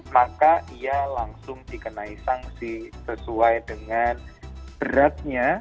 maka ia langsung dikenai sanksi sesuai dengan beratnya